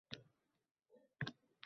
Ammo ko’zlaringni shift tomon qadab